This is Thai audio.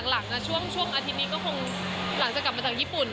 หลังช่วงอาทิตย์นี้ก็คงหลังจากกลับมาจากญี่ปุ่น